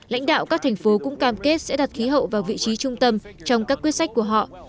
lãnh đạo các thành phố cũng cam kết sẽ đặt khí hậu vào vị trí trung tâm trong các quyết sách của họ